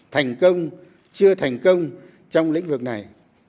thành công chưa thành công trong lĩnh vực này